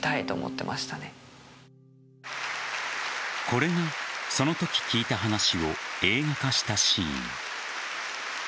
これが、そのとき聞いた話を映画化したシーン。